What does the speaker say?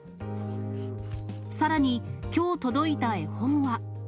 さらに、きょう届いた絵本は。